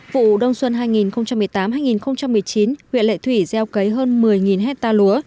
vụ đông xuân hai nghìn một mươi tám hai nghìn một mươi chín huyện lệ thủy gieo cấy hơn một mươi hectare lúa